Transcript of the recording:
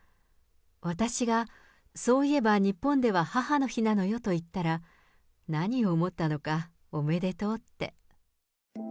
私が、そういえば日本では母の日なのよと言ったら、何を思ったのか、おめでとうって。